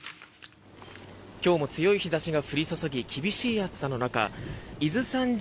今日も強い日差しが降り注ぎ厳しい暑さの中伊豆山神